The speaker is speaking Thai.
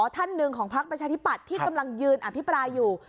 ท่านหนึ่งของพักประชาธิปัตย์ที่กำลังยืนอภิปรายอยู่